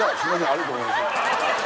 ありがとうございます